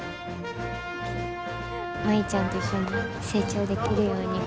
舞ちゃんと一緒に成長できるように。